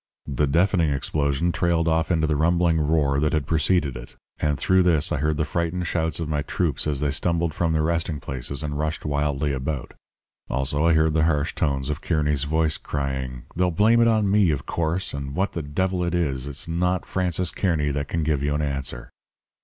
The deafening explosion trailed off into the rumbling roar that had preceded it; and through this I heard the frightened shouts of my troops as they stumbled from their resting places and rushed wildly about. Also I heard the harsh tones of Kearny's voice crying: 'They'll blame it on me, of course, and what the devil it is, it's not Francis Kearny that can give you an answer.'